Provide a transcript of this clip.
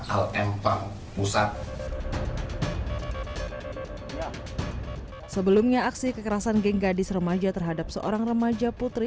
al empang pusat sebelumnya aksi kekerasan geng gadis remaja terhadap seorang remaja putri